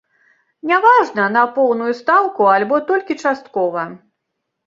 Няважна, на поўную стаўку альбо толькі часткова.